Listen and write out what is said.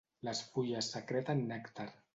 Les fulles secreten nèctar.